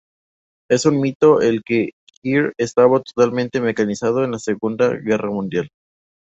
Es un mito que el Heer estaba totalmente mecanizado en la Segunda Guerra Mundial.